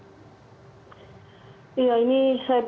untuk memastikan bahwa hal seperti ini bisa kita hilangkan sama sekali